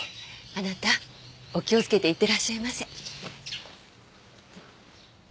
あなたお気をつけていってらっしゃいませ。